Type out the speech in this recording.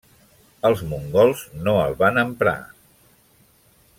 Els mongols no el van emprar.